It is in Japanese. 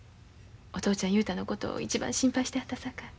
お父ちゃん雄太のこと一番心配してはったさかい。